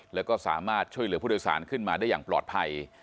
แล้วก็สามารถช่วยเหลือผู้โดยสารขึ้นมาได้อย่างปลอดภัย